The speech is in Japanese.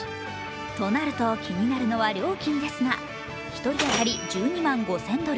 となると気になるのは料金ですが１人当たり１２万５０００円ドル。